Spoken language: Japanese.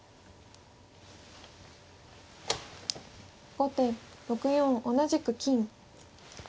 後手６四同じく金。